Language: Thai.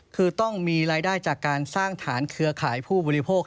คือต้องมีรายได้จากการสร้างฐานเครือข่ายผู้บริโภค